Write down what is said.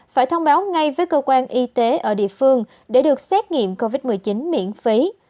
phải thông báo ngay với cơ quan y tế ở địa phương để được xét nghiệm covid một mươi chín miễn phí